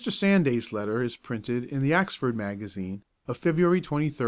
Sanday's letter is printed in the Oxford Magazine of February 23, 1887.